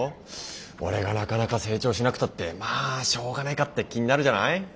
俺がなかなか成長しなくたってまあしょうがないかって気になるじゃない？